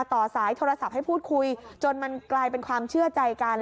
ต่อสายโทรศัพท์ให้พูดคุยจนมันกลายเป็นความเชื่อใจกัน